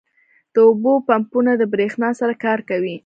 • د اوبو پمپونه د برېښنا سره کار کوي.